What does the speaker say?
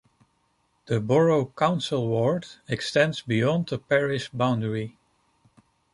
The borough council ward extends beyond the parish boundary.